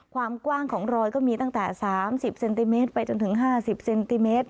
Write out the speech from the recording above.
ความกว้างของรอยก็มีตั้งแต่๓๐เซนติเมตรไปจนถึง๕๐เซนติเมตร